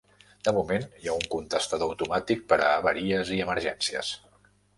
De moment, hi ha un contestador automàtic per a avaries i emergències.